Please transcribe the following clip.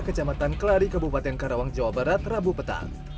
kecamatan kelari kabupaten karawang jawa barat rabu petang